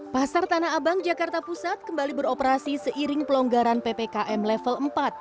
pasar tanah abang jakarta pusat kembali beroperasi seiring pelonggaran ppkm level empat